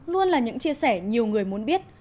luôn là những chia sẻ nhiều người muốn biết